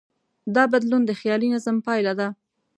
دا بدلون د خیالي نظم پایله ده.